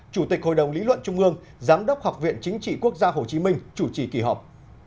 chủ tịch hội đồng lý luận trung ương giám đốc học viện chính trị quốc gia hồ chí minh chủ trì kỳ họp